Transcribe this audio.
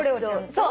そう。